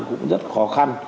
cũng rất khó khăn